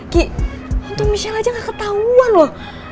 ki untuk michelle aja gak ketauan loh